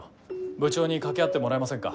部長に掛け合ってもらえませんか？